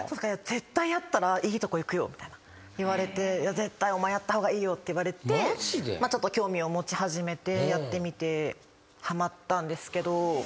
「絶対やったらいいとこいくよ」みたいな言われて「いや絶対お前やった方がいいよ」って言われてちょっと興味を持ち始めてやってみてはまったんですけど。